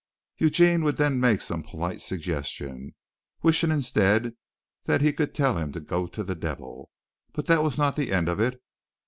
Eugene would then make some polite suggestion, wishing instead that he could tell him to go to the devil, but that was not the end of it.